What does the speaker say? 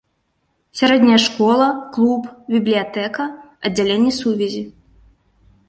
Сярэдняя школа, клуб, бібліятэка, аддзяленне сувязі.